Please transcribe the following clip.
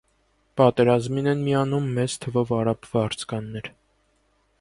Պատերազմին են միանում մեծ թվով արաբ վարձկաններ։